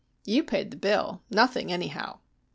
"You paid the bill. Nothing, anyhow."